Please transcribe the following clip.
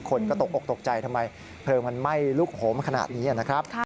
คนก็ตกออกตกใจทำไมเพลิงมันไหม้ลุกโหมขนาดนี้นะครับ